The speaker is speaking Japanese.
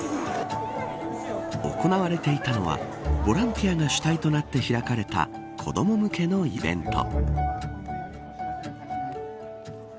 行われていたのはボランティアが主体となって開かれた子ども向けのイベント。